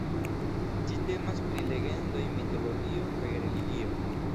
Ĝi temas pri legendoj, mitologio kaj religio.